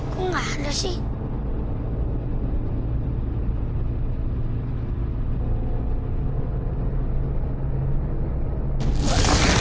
kok gak ada sih